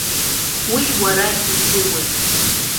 Уи уара иудыруеит.